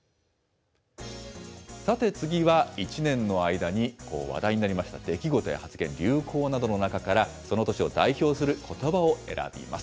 さて次は、１年の間に話題になりました出来事や発言、流行などの中からその年を代表することばを選びます。